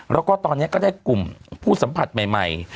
แล้วก็ตอนนี้ก็ได้กลุ่มผู้สัมผัสใหม่